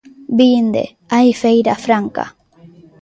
Vinde, hai Feira Franca.